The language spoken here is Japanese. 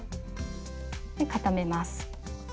固めます。